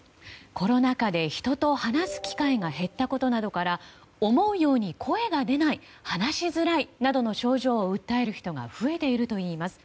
コロナ禍で人と話す機会が減ったことなどから思うように声が出ない話しづらいなどの症状を訴える人が増えているといいます。